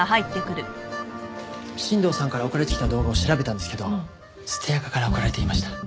新藤さんから送られてきた動画を調べたんですけど捨てアカから送られていました。